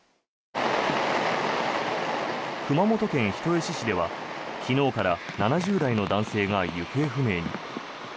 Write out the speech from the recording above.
熊本県人吉市では昨日から７０代の男性が行方不明に。